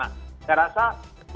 apakah ada kegiatan sekolah gitu